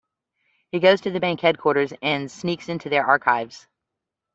He goes to the bank headquarters and sneaks into their archives.